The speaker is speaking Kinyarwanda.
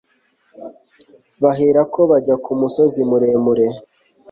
baherako bajya ku musozi muremure